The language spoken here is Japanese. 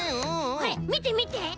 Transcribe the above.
これみてみて！